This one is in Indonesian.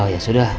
oh ya sudah